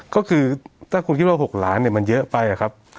ก็คือถ้าคุณคิดว่า๖ล้านมันเยอะไปครับ